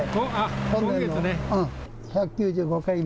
１９５回目。